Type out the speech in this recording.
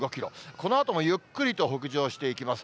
このあともゆっくりと北上していきます。